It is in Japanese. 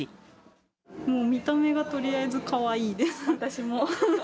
もう見た目がとりあえずかわ私も。